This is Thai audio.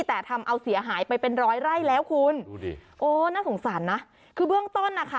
แต่ทำเอาเสียหายไปเป็นร้อยไร่แล้วคุณดูดิโอ้น่าสงสารนะคือเบื้องต้นนะคะ